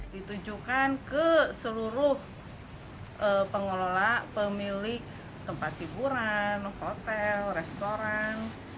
ditujukan ke seluruh pengelola pemilik tempat hiburan hotel restoran